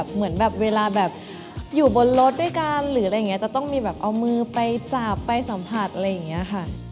เหมือนเวลาอยู่บนรถด้วยกันจะต้องมีแบบเอามือไปจาบไปสัมผัสอะไรอย่างนี้ค่ะ